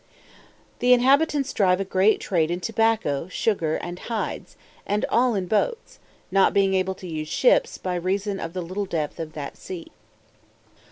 The inhabitants drive a great trade in tobacco, sugar, and hides, and all in boats, not being able to use ships, by reason of the little depth of that sea.